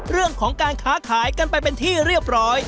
เรื่องของการค้าขายกันไปเป็นที่เรียบร้อย